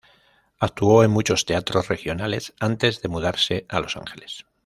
Actuó en muchos teatros regionales antes de mudarse a Los Ángeles.